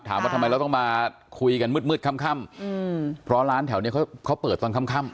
ถามว่าทำไมเราต้องมาคุยกันมืดมืดค่ำเพราะร้านแถวเนี้ยเขาเปิดตอนค่ำ